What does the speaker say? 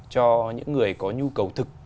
cho những người có nhu cầu thực